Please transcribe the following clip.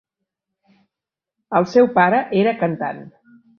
El seu pare era cantant.